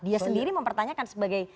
dia sendiri mempertanyakan sebagai